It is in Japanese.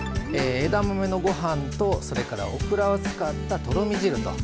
枝豆のご飯とそれからオクラを使ったとろみ汁と。